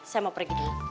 saya mau pergi dulu